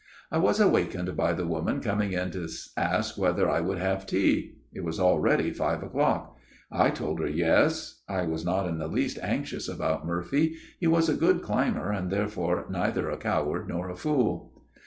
" I was awakened by the woman coming in to ask whether I would have tea ; it was already five o'clock. I told her Yes. I was not in the least anxious about Murphy ; he was a good climber, and therefore neither a coward nor a fool.